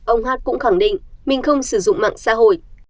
ông h h cũng khẳng định mình không sử dụng mạng xã hội